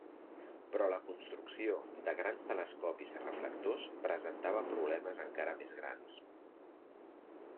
Però la construcció de grans telescopis reflectors presentava problemes encara més grans.